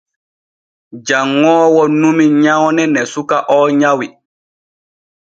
Janŋoowo numi nyawne ne suka o nyawi.